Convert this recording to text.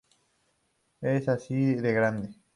Es así de grande.